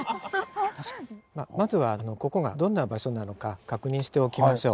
まずはここがどんな場所なのか確認しておきましょう。